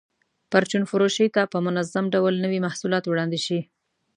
پرچون فروشۍ ته په منظم ډول نوي محصولات وړاندې شي.